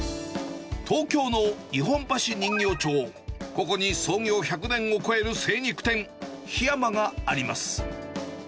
東京の日本橋人形町、ここに創業１００年を超える精肉店、日山があります。